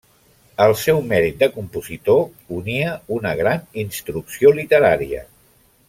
Al seu mèrit de compositor, unia una gran instrucció literària.